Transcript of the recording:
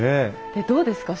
でどうですか？